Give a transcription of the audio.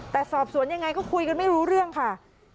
แต่สอบสวนยังไงก็คุยกันไม่รู้เรื่องค่ะ